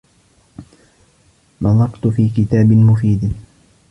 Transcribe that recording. نَظَرْتُ فِي كِتَابٍ مُفِيدٍ.